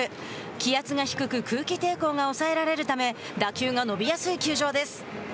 気圧が低く空気抵抗が抑えられるため打球が伸びやすい球場です。